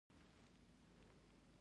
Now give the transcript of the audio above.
په کرکټ کښي هر ټيم دوولس لوبغاړي لري.